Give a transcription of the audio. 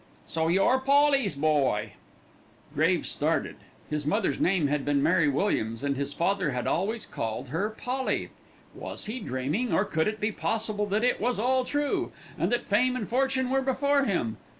"So you're Polly's boy?" Graves started. His mother's name had been Mary Williams, and his father had always called her Polly. Was he dreaming, or could it be possible that it was all true, and that fame and fortune were before him?